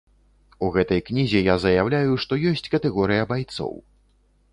У гэтай кнізе я заяўляю, што ёсць катэгорыя байцоў.